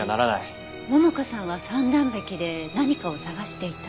桃香さんは三段壁で何かを捜していた。